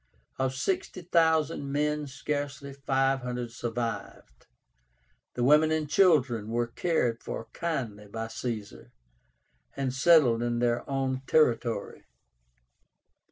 Of sixty thousand men scarcely five hundred survived. The women and children were cared for kindly by Caesar, and settled in their own territory.